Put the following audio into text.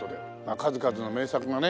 数々の名作がね